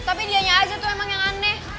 tapi dianya aja tuh emang yang aneh